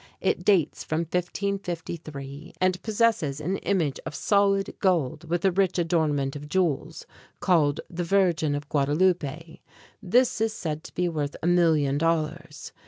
It dates from 1553, and possesses an image of solid gold with a rich adornment of jewels, called "The Virgin of Guadalupe (gwah dah loo´ pay)." This is said to be worth a million dollars.